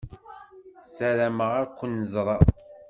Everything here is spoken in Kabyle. Ssarameɣ ad ken-ẓreɣ.